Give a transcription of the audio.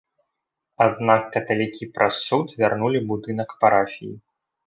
Аднак каталікі праз суд вярнулі будынак парафіі.